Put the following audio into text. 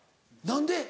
何で？